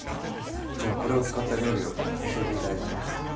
じゃあこれを使った料理を教えて頂いてもいいですか。